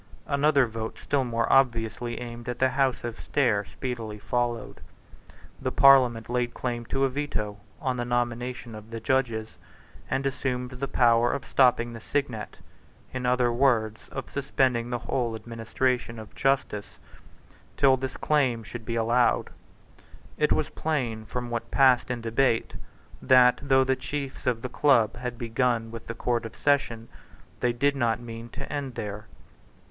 Another vote still more obviously aimed at the House of Stair speedily followed. The Parliament laid claim to a Veto on the nomination of the judges, and assumed the power of stopping the signet, in other words, of suspending the whole administration of justice, till this claim should be allowed. It was plain from what passed in debate that, though the chiefs of the Club had begun with the Court of Session, they did not mean to end there.